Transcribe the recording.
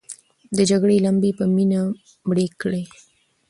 د جګړې لمبې په مینه مړې کړئ.